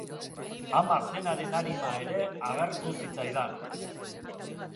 Ama zenaren arima ere agertu zitzaidan.